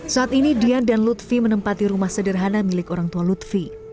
saat ini dian dan lutfi menempati rumah sederhana milik orang tua lutfi